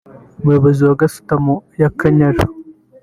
Umuyobozi wa Gasutamo y’Akanyaru